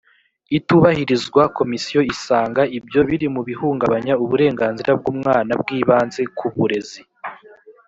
itubahirizwa komisiyo isanga ibyo biri mu bihungabanya uburenganzira bw umwana bw ibanze ku burezi